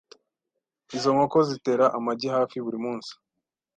Izo nkoko zitera amagi hafi buri munsi .